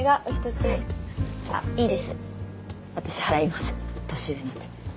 年上なんで。